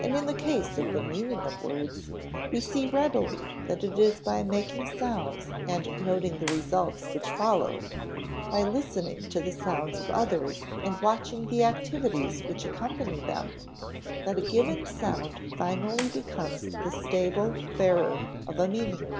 And in the case of the meaning of words, we see readily that it is by making sounds and noting the results which follow, by listening to the sounds of others and watching the activities which accompany them, that a given sound finally becomes the stable bearer of a meaning.